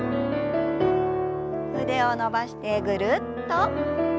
腕を伸ばしてぐるっと。